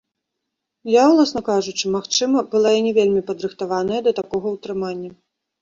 Я, ўласна кажучы, магчыма, была і не вельмі падрыхтаваная да такога ўтрымання.